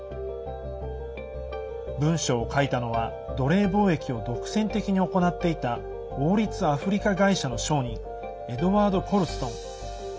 文書を書いたのは奴隷貿易を独占的に行っていた王立アフリカ会社の商人エドワード・コルストン。